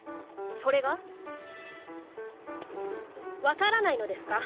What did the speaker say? それが？分からないのですか？